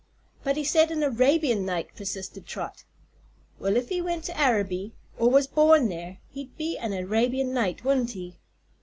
"But he said an Arabian Knight," persisted Trot. "Well, if he went to Araby, or was born there, he'd be an Arabian Knight, wouldn't he?